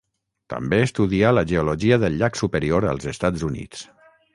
També estudià la geologia del Llac Superior als Estats Units.